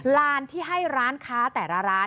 ลานที่ให้ร้านค้าแต่ละร้าน